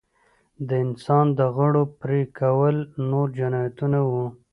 د انسان د غړو پرې کول نور جنایتونه وو.